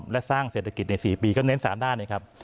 และสร้างเศรษฐกิจใน๔ปีก็เน้น๓ด้านนะครับ